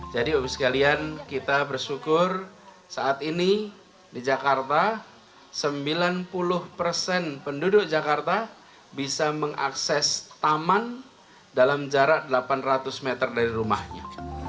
jadi obis kalian kita bersyukur saat ini di jakarta sembilan puluh persen penduduk jakarta bisa mengakses taman dalam jarak delapan ratus meter dari rumahnya